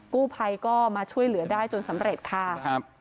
กู้ภัยก็มาช่วยเหลือได้จนสำเร็จค่ะครับ